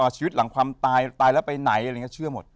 ชีวิตหลังความตายตายแล้วไปไหนอะไรอย่างนี้เชื่อหมด